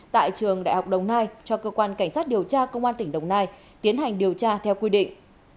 tại trường đại học đồng nai cho cơ quan cảnh sát điều tra công an tỉnh đồng nai tiến hành điều tra theo quy định